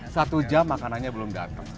satu jam makanannya belum datang